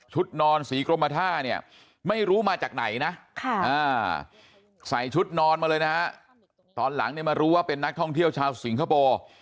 ชุดนอนสีกรมฆาห์ไม่รู้มาจากไหนนะใส่ชุดนอนมาเลยตอนหลังมารู้ว่าเป็นนักท่องเที่ยวชาวสิงคโปร